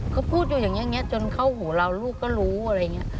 เขาพูดอยู่อย่างนี้จนเข้าหูเราลูกก็รู้อะไรอย่างนี้